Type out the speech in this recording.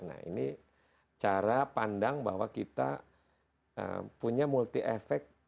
nah ini cara pandang bahwa kita punya multi efek